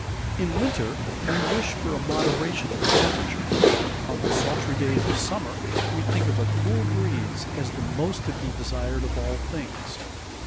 In winter we wish for a moderation of the temperature; on the sultry days of summer, we think of a cool breeze as the most to be desired of all things.